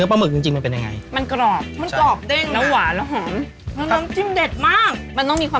อยากได้เป็นภรรยามากกว่า